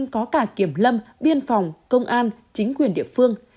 có cả kiểm lâm biên phòng công an chính quyền địa phương